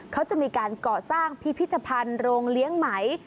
เขาจะมีการก่อสร้างพิพิธภัณฑ์โรงเลี้ยงไหม